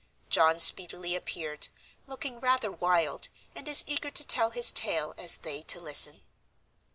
John speedily appeared, looking rather wild, and as eager to tell his tale as they to listen.